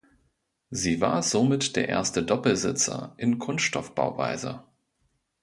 Sie war somit der erste Doppelsitzer in Kunststoff-Bauweise.